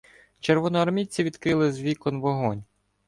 Червоноармійці відкрили з вікон вогонь.